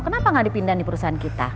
kenapa gak dipindahin di perusahaan kita